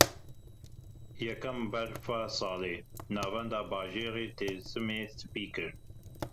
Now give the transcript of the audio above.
Yekem berfa salê navenda bajarê Dêrsimê spî kir.